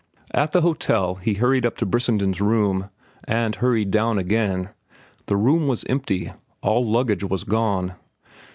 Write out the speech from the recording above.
At the hotel he hurried up to Brissenden's room, and hurried down again. The room was empty. All luggage was gone.